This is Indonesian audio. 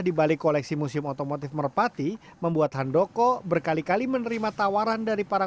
dibalik koleksi musim otomotif merpati membuat handoko berkali kali menerima tawaran dari para